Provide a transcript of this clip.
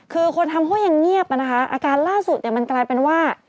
คือคนทำห้วยอย่างเงียบนะคะอาการล่าสุดมันกลายเป็นว่า